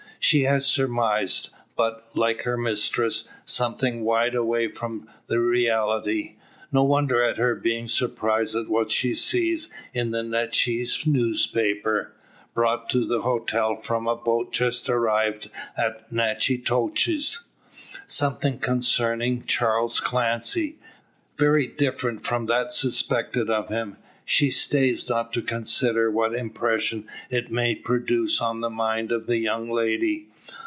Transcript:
She has surmised; but, like her mistress, something wide away from the reality. No wonder at her being surprised at what she sees in a Natchez newspaper brought to the hotel from a boat just arrived at Natchitoches something concerning Charles Clancy, very different from that suspected of him. She stays not to consider what impression it may produce on the mind of the young lady.